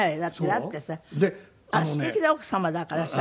だってさすてきな奥様だからさ